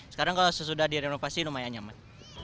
sekarang kalau sesudah direnovasi lumayan nyaman